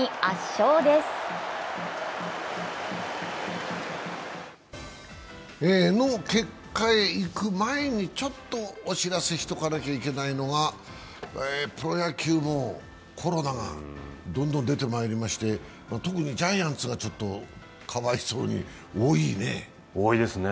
それの結果へいくまえにちょっとお知らせをしておかなきゃいけないのはプロ野球もコロナがどんどん出てまいりまして、特にジャイアンツがかわいそうに多いね。